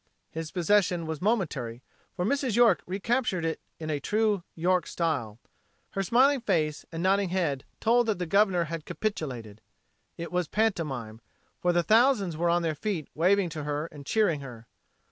His possession was momentary, for Mrs. York recaptured it in true York style. Her smiling face and nodding head told that the Governor had capitulated. It was pantomime, for the thousands were on their feet waving to her and cheering her.